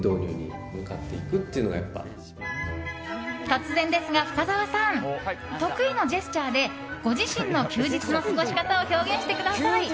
突然ですが深澤さん得意のジェスチャーでご自身の休日の過ごし方を表現してください。